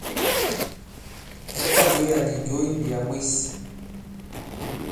Sa ta bwě àdi jǒ i mbìyà mwes.